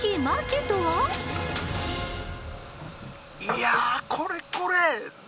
いやこれこれ。